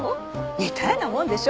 似たようなもんでしょ。